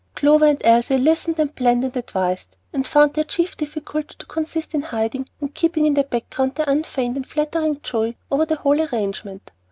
Clover and Elsie listened and planned and advised, and found their chief difficulty to consist in hiding and keeping in the background their unfeigned and flattering joy over the whole arrangement.